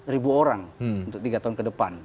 ribu orang untuk tiga tahun ke depan